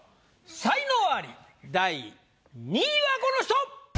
才能アリ第２位はこの人！